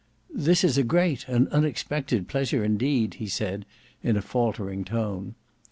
"This is a great, an unexpected pleasure indeed." he said in a faltering tone.